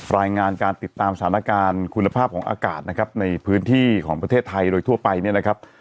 รายงานการติดตามสถานการณ์คุณภาพของอากาศนะครับในพื้นที่ของประเทศไทยโดยทั่วไปเนี่ยนะครับ